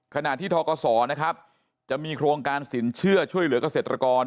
ขณะที่ทกศนะครับจะมีโครงการสินเชื่อช่วยเหลือกเกษตรกร